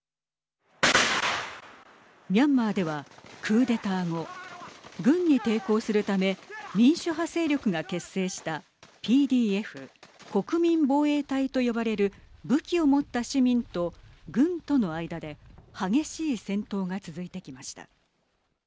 ミャンマーではクーデター後軍に抵抗するため民主派勢力が結成したＰＤＦ＝国民防衛隊と呼ばれる武器を持った市民と軍との間で激しい戦闘が続いてきました。